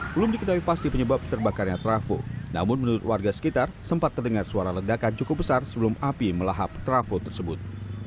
belum diketahui pasti penyebab terbakarnya trafo namun menurut warga sekitar sempat terdengar suara ledakan cukup besar sebelum api melahap trafo tersebut